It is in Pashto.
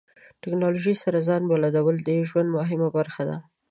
ټکنالوژي سره ځان بلدول د ژوند مهمه برخه ده.